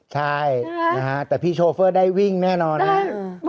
ใช่นะฮะแต่พี่โชเฟอร์ได้วิ่งแน่นอนครับ